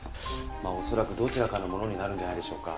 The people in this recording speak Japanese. まあ恐らくどちらかのものになるんじゃないでしょうか。